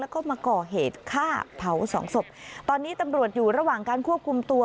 แล้วก็มาก่อเหตุฆ่าเผาสองศพตอนนี้ตำรวจอยู่ระหว่างการควบคุมตัว